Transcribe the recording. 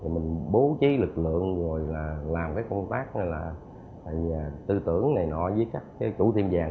mình bố trí lực lượng rồi là làm cái công tác là tư tưởng này nọ với các chủ tiệm vàng